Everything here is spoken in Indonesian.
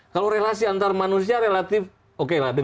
kalau relasi antar manusia relatif oke lah